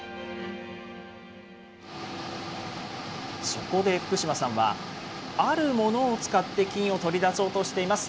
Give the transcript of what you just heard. そこで福島さんは、あるものを使って金を取り出そうとしています。